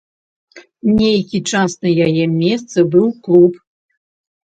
Нейкі час на яе месцы быў клуб.